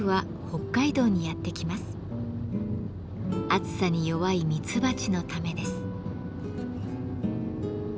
暑さに弱いミツバチのためです。